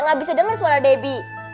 gak bisa denger suara debi